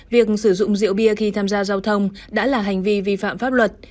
việc sử dụng rượu bia khi tham gia giao thông đã là hành vi vi phạm pháp luật